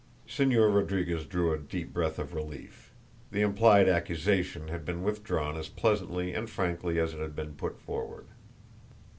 Señor Rodriguez drew a deep breath of relief. The implied accusation had been withdrawn as pleasantly and frankly as it had been put forward.